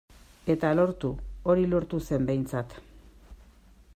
Eta lortu, hori lortu zen behintzat.